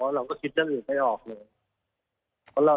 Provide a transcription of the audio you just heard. เพราะเราก็คิดเรื่องอื่นไม่ได้ออกเลย